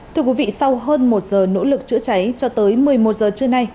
thưa quý vị sau hơn một giờ nỗ lực chữa cháy cho tới một mươi một giờ trưa nay